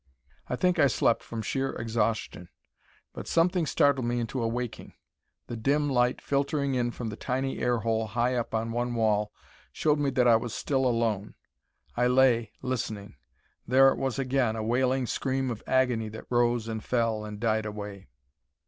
I think I slept from sheer exhaustion. But something startled me into awaking. The dim light filtering in from the tiny air hole high up on one wall showed me that I was still alone. I lay, listening. There it was again, a wailing scream of agony that rose and fell and died away.